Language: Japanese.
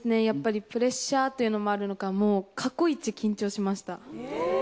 やっぱりプレッシャーというのもあるのかもう過去一緊張しました。